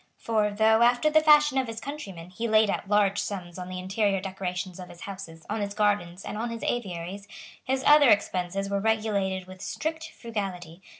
For, though, after the fashion of his countrymen, he laid out large sums on the interior decoration of his houses, on his gardens, and on his aviaries, his other expenses were regulated with strict frugality.